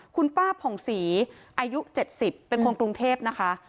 คุณป้าผ่องศรีอายุ๗๐เป็นคนกรุงเทพนะคะ